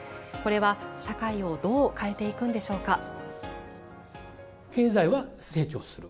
これは社会をどう変えていくんでしょうか。